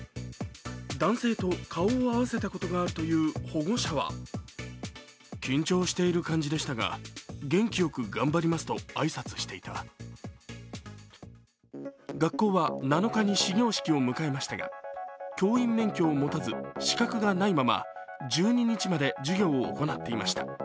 男性と顔を合わせたことがある保護者は学校は、７日に始業式を迎えましたが、教員免許を持たず資格がないまま１２日まで授業を行っていました。